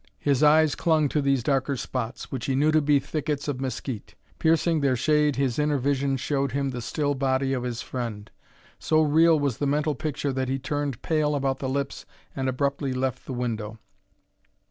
His eyes clung to these darker spots, which he knew to be thickets of mesquite; piercing their shade his inner vision showed him the still body of his friend. So real was the mental picture that he turned pale about the lips and abruptly left the window.